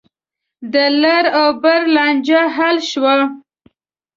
د لر او بر لانجه حل شوه.